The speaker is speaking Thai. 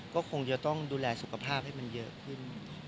ก็คงจะต้องดูแลสุขภาพให้มันเยอะขึ้น